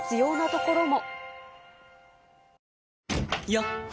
よっ！